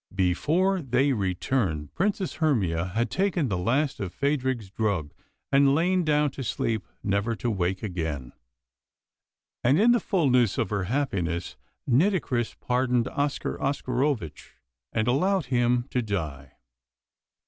Before they returned Princess Hermia had taken the last of Phadrig's drug and lain down to sleep never to wake again, and in the fullness of her happiness Nitocris pardoned Oscar Oscarovitch, and allowed him to die.